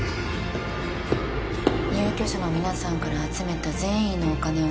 入居者の皆さんから集めた善意のお金を